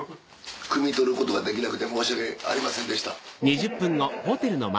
くみ取ることができなくて申し訳ありませんでした。